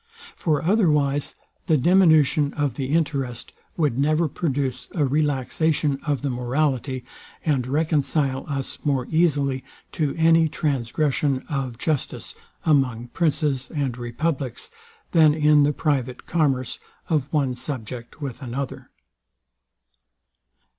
For otherwise the diminution of the interest would never produce a relaxation of the morality, and reconcile us more easily to any transgression of justice among princes and republics, than in the private commerce of one subject with another.